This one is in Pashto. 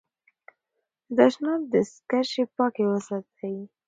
د تشناب دستکشې پاکې وساتئ.